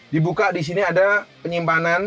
dibuka disini ada penyimpanan